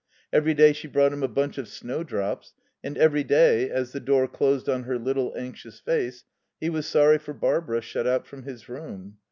Every day she brought him a bunch of snowdrops, and every day, as the door closed on her little anxious face, he was sorry for Barbara shut out from his room.